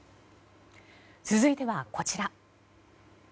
続いては、こちら。